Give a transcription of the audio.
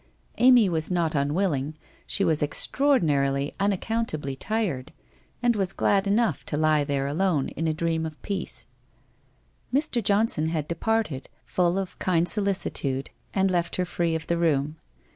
Amy w r as not unwilling, she was extraordinarily, unaccountably, tired, and was glad enough to lie there alone in a dream of peace. Mr. Johnson had departed, full of kind solicitude and left her free of the room.